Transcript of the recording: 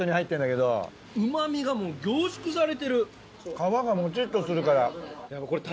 皮がもちっとするから。